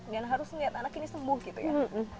dan harus lihat anak ini sembuh gitu ya